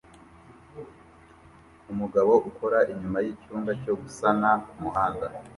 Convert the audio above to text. Umugabo ukora inyuma yicyumba cyo gusana kumuhanda